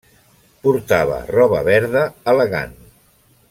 Portava roba verda elegant.